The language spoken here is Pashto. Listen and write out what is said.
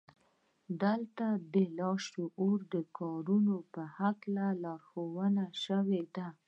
دلته د لاشعور د کارولو په هکله لارښوونې شوې دي